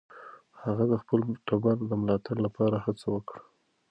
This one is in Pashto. هغه د خپل ټبر د ملاتړ لپاره هڅه وکړه.